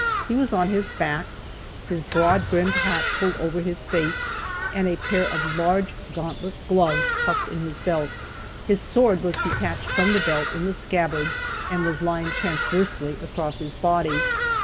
He was on his back, his broad brimmed hat pulled over his face, and a pair of large gauntlet gloves tucked in his belt. His sword was detached from the belt, in the scabbard, and was lying transversely across his body.